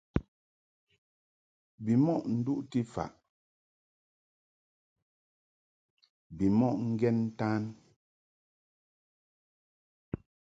Bimɔʼ nduʼti faʼ bimɔʼ ŋgen ntan.